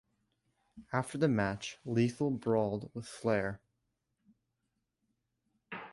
After the match, Lethal brawled with Flair.